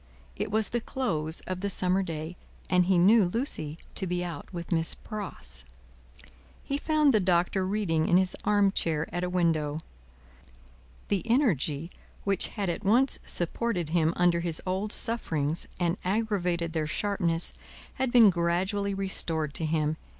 It was the close of the summer day, and he knew Lucie to be out with Miss Pross. He found the Doctor reading in his arm chair at a window. The energy which had at once supported him under his old sufferings and aggravated their sharpness, had been gradually restored to him.